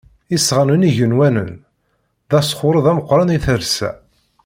Isɣanen igenwanen d asxurreḍ ameqqran i talsa.